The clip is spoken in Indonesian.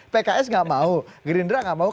pks gak mau gerindra gak mau